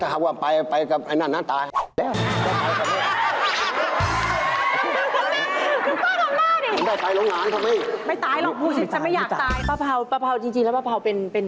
ไม่ตายหรอกผู้ชีพฉันไม่อยากตายป้าพราวจริงแล้วป้าพราวเป็น